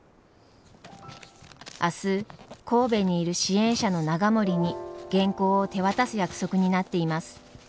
明日神戸にいる支援者の永守に原稿を手渡す約束になっています。